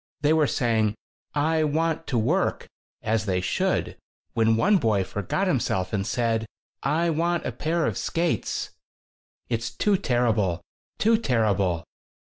They were saying 'I want to work' as they should when one boy forgot himself and said: 'I want a pair of skates!' It's too terrible! too terrible!"